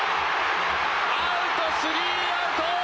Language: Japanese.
アウト、スリーアウト。